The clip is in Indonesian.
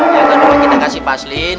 yang kedua kita kasih paslin